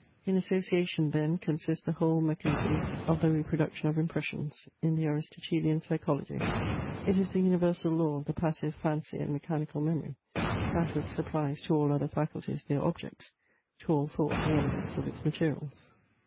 In association then consists the whole mechanism of the reproduction of impressions, in the Aristotelian Psychology. It is the universal law of the passive fancy and mechanical memory; that which supplies to all other faculties their objects, to all thought the elements of its materials.